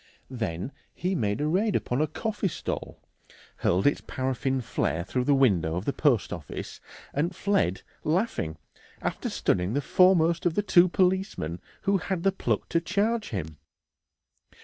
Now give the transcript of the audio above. Then he made a raid upon a coffee stall, hurled its paraffin flare through the window of the post office, and fled laughing, after stunning the foremost of the two policemen who had the pluck to charge him.